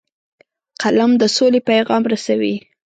قلم د سولې پیغام رسوي